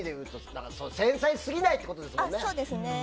繊細すぎないってことですよね。